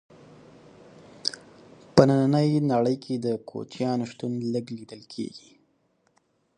په ننۍ نړۍ کې د کوچیانو شتون لږ لیدل کیږي.